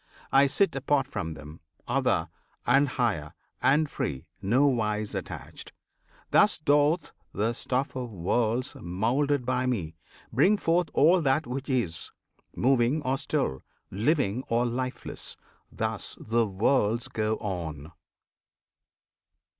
I sit apart from them, Other, and Higher, and Free; nowise attached! Thus doth the stuff of worlds, moulded by Me, Bring forth all that which is, moving or still, Living or lifeless! Thus the worlds go on!